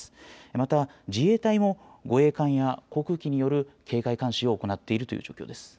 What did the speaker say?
また自衛隊も護衛艦や航空機による警戒監視を行っているという状況です。